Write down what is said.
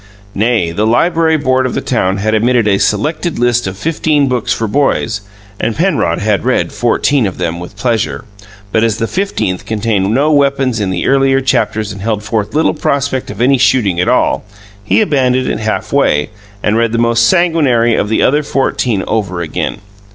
Nay, the Library Board of the town had emitted a "Selected List of Fifteen Books for Boys," and Penrod had read fourteen of them with pleasure, but as the fifteenth contained no weapons in the earlier chapters and held forth little prospect of any shooting at all, he abandoned it halfway, and read the most sanguinary of the other fourteen over again.